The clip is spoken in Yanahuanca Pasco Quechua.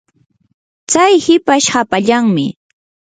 tsay hipash hapallanmi.